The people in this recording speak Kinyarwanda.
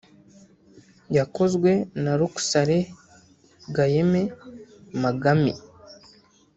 yakozwe na Rokhsareh Ghaem Maghami